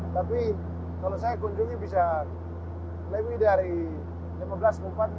tapi kalau saya kunjungi bisa lebih dari lima belas tempat